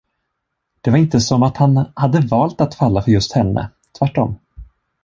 Det var inte som att han hade valt att falla för just henne, tvärtom.